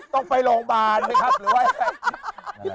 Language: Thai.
ต้องไปโรงพยาบาลนะครับหรือว่าอะไร